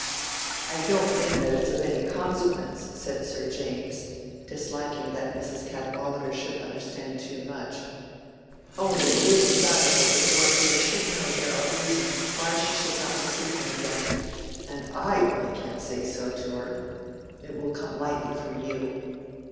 "I don't mean that it's of any consequence," said Sir James, disliking that Mrs. Cadwallader should understand too much. "Only it is desirable that Dorothea should know there are reasons why she should not receive him again; and I really can't say so to her. It will come lightly from you."